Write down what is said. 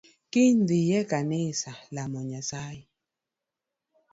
Kiny dhiye kanisa lamo nyasaye.